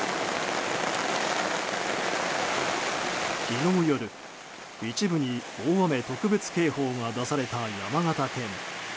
昨日夜、一部に大雨特別警報が出された山形県。